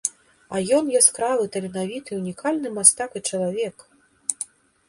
А ён яскравы таленавіты і унікальны мастак і чалавек.